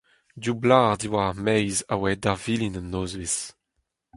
Div blac'h diwar ar maez a oa aet d'ar vilin un nozvezh.